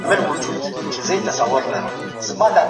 مورنۍ ژبه څنګه د انتقادي فکر ملاتړ کوي؟